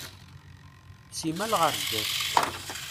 Simmal ɣer zdat.